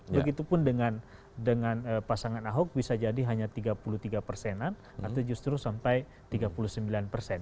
begitupun dengan pasangan ahok bisa jadi hanya tiga puluh tiga persenan atau justru sampai tiga puluh sembilan persen